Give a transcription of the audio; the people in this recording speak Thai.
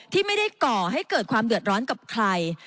ที่ไม่ได้ก่อให้เกิดความเดือดร้อนกับใคร